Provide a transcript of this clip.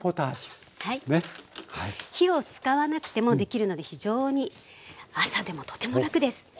火を使わなくてもできるので非常に朝でもとても楽です。